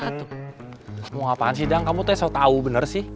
kamu ngapaan sih dang kamu terserah tahu bener sih